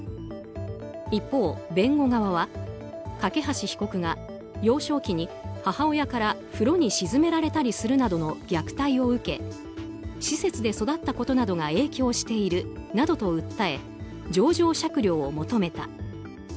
一方、弁護側は梯被告が幼少期に母親から風呂に沈められたりするなどの虐待を受け施設で育ったことなどが影響しているなどと訴え情状酌量を求めた。